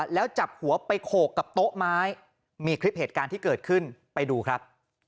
แล้วจับหัวไปโขกกับโต๊ะไม้มีคลิปเหตุการณ์ที่เกิดขึ้นไปดูครับ